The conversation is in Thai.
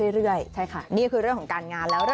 อย่างแรกเลยก็คือการทำบุญเกี่ยวกับเรื่องของพวกการเงินโชคลาภ